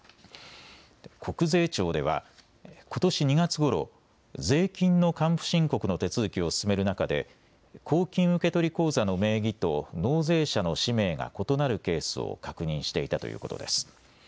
国税庁ではことし２月ごろ、税金の還付申告の手続きを進める中で、公金受取口座の名義と納税者の氏名が異なるケースを確認していたということです。